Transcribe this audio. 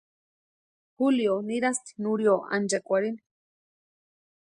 Julio nirasti Nurio ánchekwarhini.